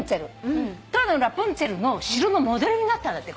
『塔の上のラプンツェル』の城のモデルになったんだって。